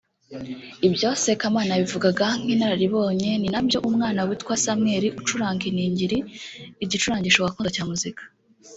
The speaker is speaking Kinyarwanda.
Ibyo Sekamana yabivugaga nk’inararibonye ni nabyo umwana witwa Samweli ucuranga iningiri (Igicurangisho gakondo cya muzika)